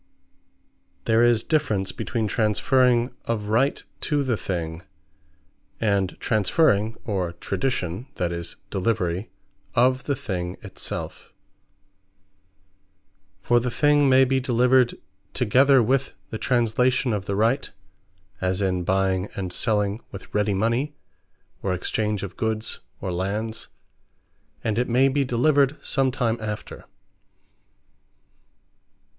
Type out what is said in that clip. There is difference, between transferring of Right to the Thing; and transferring, or tradition, that is, delivery of the Thing it selfe. For the Thing may be delivered together with the Translation of the Right; as in buying and selling with ready mony; or exchange of goods, or lands: and it may be delivered some time after.